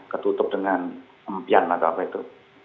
ketutup dengan empian atau apa itu